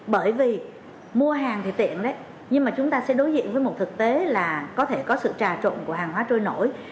bởi vì mua hàng thì tiện nhưng mà chúng ta sẽ đối diện với một thực tế là có thể có sự trà trộn của hàng hóa trôi nổi